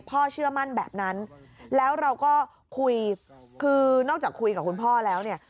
เชื่อมั่นแบบนั้นแล้วเราก็คุยคือนอกจากคุยกับคุณพ่อแล้วเนี่ย